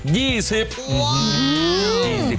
ว้าว